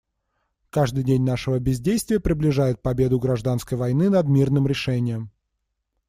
Каждый день нашего бездействия приближает победу гражданской войны над мирным решением.